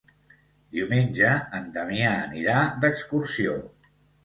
Diumenge en Damià anirà d'excursió.